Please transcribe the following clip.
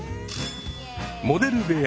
モデル部屋